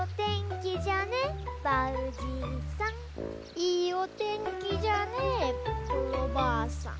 いいおてんきじゃねえコロばあさん。